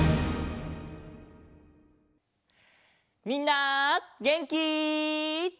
みんなげんき？